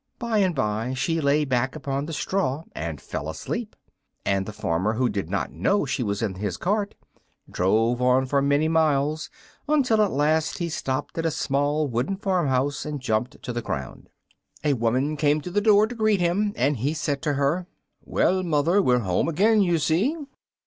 By and by she lay back upon the straw and fell asleep; and the farmer, who did not know she was in his cart, drove on for many miles, until at last he stopped at a small wooden farm house, and jumped to the ground. A woman came to the door to greet him, and he said to her, "Well, mother, we're home again, you see."